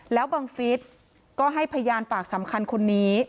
แล้วบังฟิศก็ให้พยานปากสำคัญคนนี้